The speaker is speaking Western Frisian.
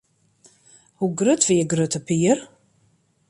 Hoe grut wie Grutte Pier?